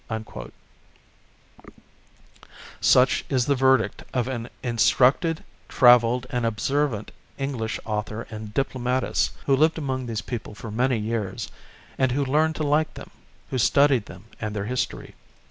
" Such is the verdict of an instructed, travelled and observant English author and diplomatist, who lived among these people for many years, and who learned to like them, who studied them and their history.